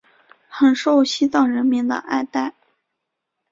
很受西藏人民的爱戴。